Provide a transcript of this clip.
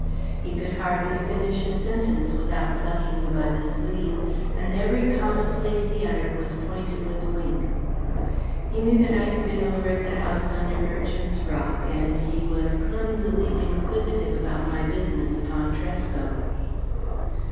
He could hardly finish a sentence without plucking you by the sleeve, and every commonplace he uttered was pointed with a wink. He knew that I had been over at the house under Merchant's Rock, and he was clumsily inquisitive about my business upon Tresco.